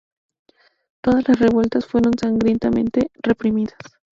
Todas las revueltas fueron sangrientamente reprimidas.